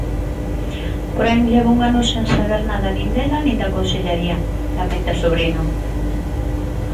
Porén, levo un ano sen saber nada nin dela nin da Consellaría, lamenta Sobrino.